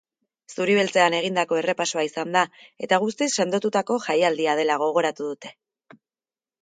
Zuribeltzean egindako errepasoa izan da eta guztiz sendotutako jaialdia dela gogoratu dute.